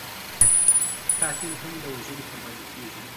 قاتل هم د وژنې قرباني کېږي